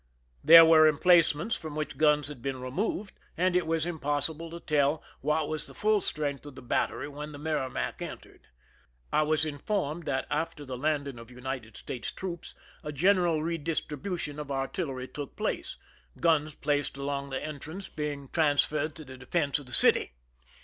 There were emplace ments from which guns had been removed, and it was impossible to tell what was the full strength of the battery when the Merrimac entered. I was informed that after the landing of United States troops a general redistribution of artillery took place, guns placed along the entrance being trans ferred to the defense of the city.